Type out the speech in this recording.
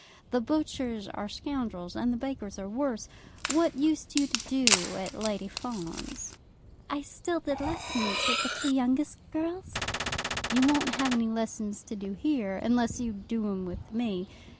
The butchers are scoundrels, and the bakers are worse. What used you to do at Lady Fawn's?" "I still did lessons with the two youngest girls." "You won't have any lessons to do here, unless you do 'em with me.